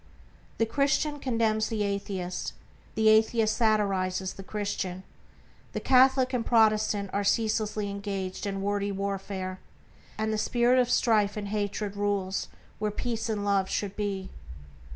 The Christian condemns the Atheist; the Atheist satirizes the Christian; the Catholic and Protestant are ceaselessly engaged in wordy warfare, and the spirit of strife and hatred rules where peace and love should be.